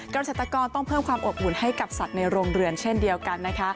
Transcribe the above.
เกษตรกรต้องเพิ่มความอบอุ่นให้กับสัตว์ในโรงเรือนเช่นเดียวกันนะคะ